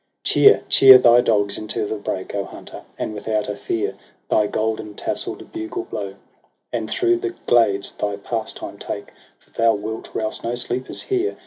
Cheer, cheer thy dogs into the brake, O Hunter ! and without a fear Thy golden tassell'd bugle blow, 2i8 TRISTRAM AND ISEULT. And through the glades thy pastime take; For thou wilt rouse no sleepers here